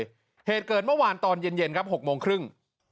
เหตุเกิดเมื่อวานตอนเย็นครับ๖โมงครึ่ง